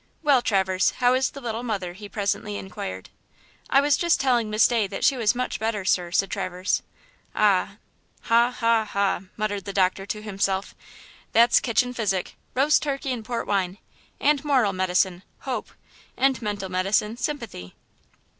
"Well, Traverse, how is the little mother?" he presently inquired. "I was just telling Miss Day that she was much better, sir," said Traverse. "Ah, ha, ha, ha!" muttered the doctor to himself; "that's kitchen physic–roast turkey and port wine–and moral medicine, hope–and mental medicine, sympathy."